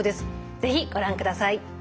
是非ご覧ください。